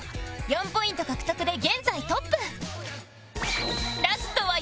４ポイント獲得で現在トップ